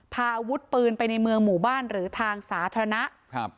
พาอาวุธปืนไปในเมืองหมู่บ้านหรือทางสาธารณะครับ